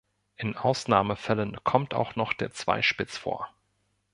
In Ausnahmefällen kommt auch noch der Zweispitz vor.